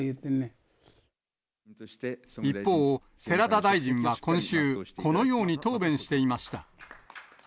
一方、寺田大臣は今週、このように答弁していました。